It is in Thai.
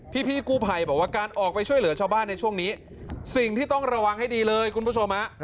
พี่กู้ภัยบอกว่าการออกไปช่วยเหลือชาวบ้านในช่วงนี้สิ่งที่ต้องระวังให้ดีเลยคุณผู้ชมฮะ